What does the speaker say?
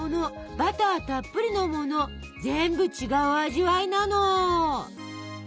バターたっぷりのもの全部違う味わいなの！